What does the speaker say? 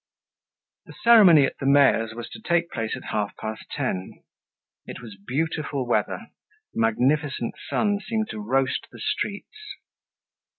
The ceremony at the mayor's was to take place at half past ten. It was beautiful weather—a magnificent sun seemed to roast the streets.